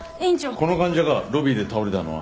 この患者かロビーで倒れたのは。